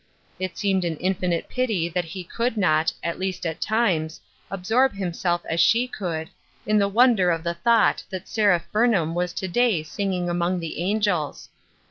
It seemed an infinite pity that he could not, at least at times, absorb himself as she could, in the wonder of the thought that Seraph Burnham was to day singing among the angels.